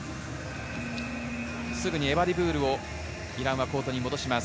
すぐにエバディプールをイランはコートに戻します。